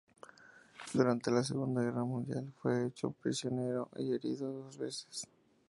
Durante la Segunda Guerra Mundial, fue hecho prisionero y herido dos veces.